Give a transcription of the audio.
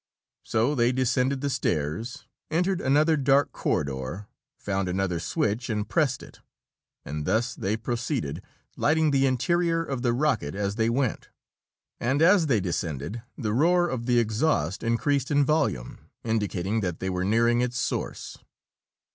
So they descended the stairs, entered another dark corridor, found another switch and pressed it, and thus they proceeded, lighting the interior of the rocket as they went. And as they descended, the roar of the exhaust increased in volume, indicating that they were nearing its source.